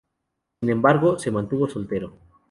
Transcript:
Sin embargo, se mantuvo soltero.